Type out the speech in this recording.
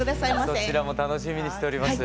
そちらも楽しみにしております。